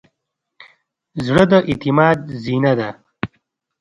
زړه د اعتماد زینه ده.